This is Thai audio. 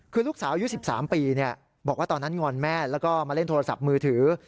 คือลูกสาวอายุ๑๓ปีบอกว่าตอนนั้นงอนแม่แล้วก็มาเล่นโทรศัพท์มือถือ